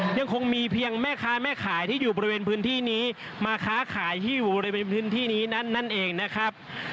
ยังคงมีเพียงแม่ค้าแม่ขายที่อยู่บริเวณพื้นที่นี้มาค้าขายที่อยู่บริเวณพื้นที่นี้นั่นเองนะครับ